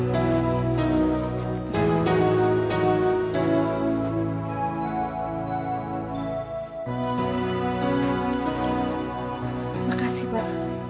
terima kasih pak